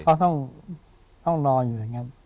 ก็ต้องต้องรออยู่อย่างนั้น